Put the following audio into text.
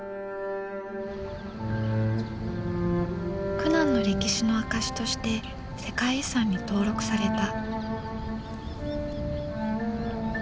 苦難の歴史の証しとして世界遺産に登録された。